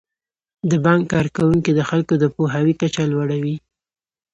د بانک کارکوونکي د خلکو د پوهاوي کچه لوړوي.